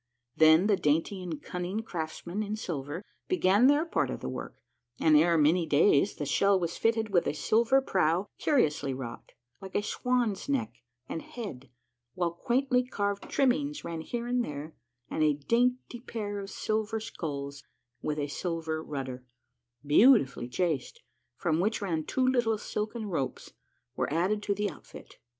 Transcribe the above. Then the dainty and cunning craftsmen in silver began their part of the work, and ere many days the shell was fitted with a silver prow curiously wrought, like a swan's neck and head, while quaintly carved trimmings ran here and there, and a dainty pair of silver sculls with a silver rudder, beautifully chased, from which ran two little silken ropes, were added to the outfit.